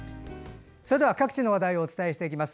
各地の話題をお伝えしていきます。